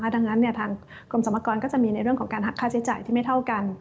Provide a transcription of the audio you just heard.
ดังนั้นทางกรมสรรพากรก็จะมีในเรื่องของการหักค่าใช้จ่ายที่ไม่เท่ากัน